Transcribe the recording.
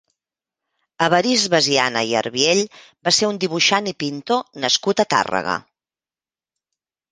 Evarist Basiana i Arbiell va ser un dibuixant i pintor nascut a Tàrrega.